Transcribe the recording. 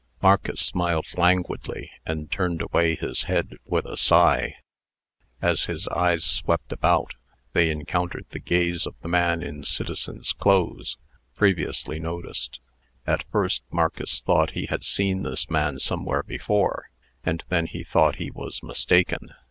Marcus smiled languidly, and turned away his head with a sigh. As his eyes swept about, they encountered the gaze of the man in citizen's clothes, previously noticed. At first, Marcus thought he had seen this man somewhere before; and then he thought he was mistaken.